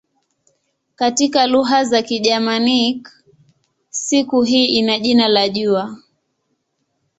Katika lugha za Kigermanik siku hii ina jina la "jua".